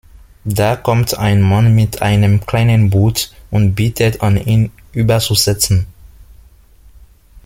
Da kommt ein Mann mit einem kleinen Boot und bietet an ihn überzusetzen.